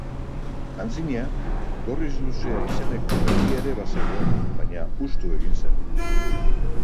Antzina, Gorriz-Luzea izeneko herria ere bazegoen, baina hustu egin zen.